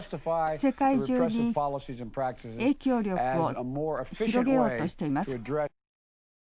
世界中に影響力を広げようとしています。